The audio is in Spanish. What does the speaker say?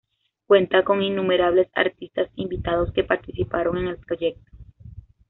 Cuenta con innumerables artistas invitados que participan en el proyecto.